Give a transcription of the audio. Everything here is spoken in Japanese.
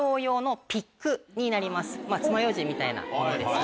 つまようじみたいなものですね。